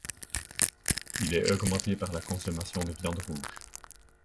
Il est augmenté par la consommation de viande rouge.